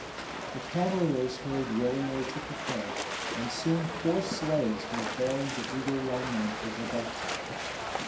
The cavaliers hurried willingly to prepare, and soon four sleighs were bearing the eager young men to Vodokty.